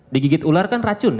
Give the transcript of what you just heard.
digigit ular kan racun